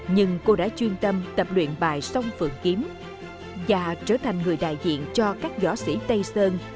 nhưng cô đã chuyên tâm tập luyện bài sông phượng kiếm và trở thành người đại diện cho các giỏ sĩ tây sơn